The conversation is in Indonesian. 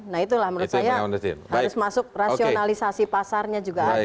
nah itulah menurut saya harus masuk rasionalisasi pasarnya juga ada